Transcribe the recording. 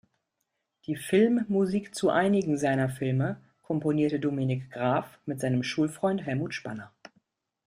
Die Filmmusik zu einigen seiner Filme komponierte Dominik Graf mit seinem Schulfreund Helmut Spanner.